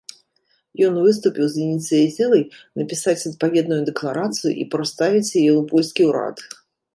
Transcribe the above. Ён выступіў з ініцыятывай напісаць адпаведную дэкларацыю і прадставіць яе ў польскі ўрад.